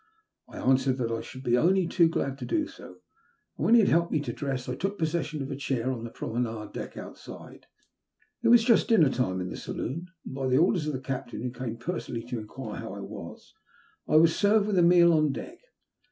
I answered that I should be only too glad to do so; and when he had helped me to dress, I took possession of a chair on the promenade deck outside. It was just dinner time in the saloon, and by the orders of the Captain, who came per sonally to enquire how I was, I was served with a meal on deck.